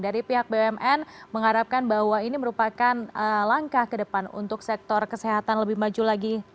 dari pihak bumn mengharapkan bahwa ini merupakan langkah ke depan untuk sektor kesehatan lebih maju lagi